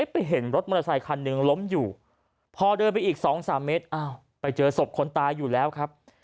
ไปเห็นรถมอเตอร์ไซคันหนึ่งล้มอยู่พอเดินไปอีก๒๓เมตรอ้าวไปเจอศพคนตายอยู่แล้วครับ